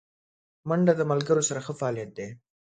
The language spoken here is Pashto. منډه د ملګرو سره ښه فعالیت دی